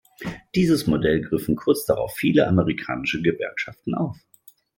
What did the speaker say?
Dieses Modell griffen kurz darauf viele amerikanische Gewerkschaften auf.